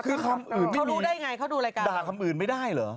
คือคำอื่นเขารู้ได้ไงเขาดูรายการด่าคำอื่นไม่ได้เหรอ